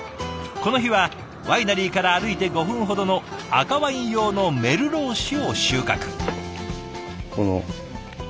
この日はワイナリーから歩いて５分ほどの赤ワイン用のメルロー種を収穫。